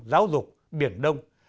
giáo dục biển đông